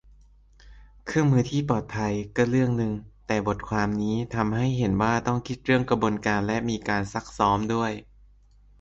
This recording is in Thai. เครื่องมือที่ปลอดภัยก็เรื่องนึง แต่บทความนี้ทำให้เห็นว่าต้องคิดเรื่องกระบวนการและมีการซักซ้อมด้วย